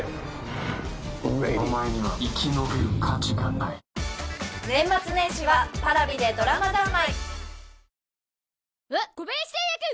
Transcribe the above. お前には生き延びる価値がない年末年始はＰａｒａｖｉでドラマ三昧